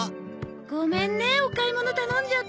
ごめんねお買い物頼んじゃって。